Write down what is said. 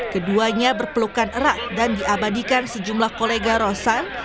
keduanya berpelukan erat dan diabadikan sejumlah kolega rosan